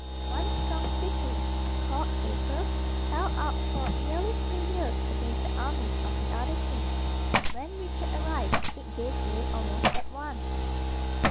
One strong city, called Acre, held out for nearly two years against the armies of the other kings, but when Richard arrived it gave way almost at once.